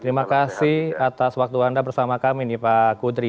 terima kasih atas waktu anda bersama kami nih pak kudri